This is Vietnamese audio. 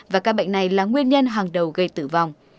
và ca bệnh này là nguyên nhân hàng đầu gây tử vong